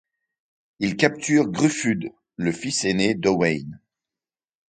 Il capture Gruffudd, le fils aîné d'Owain.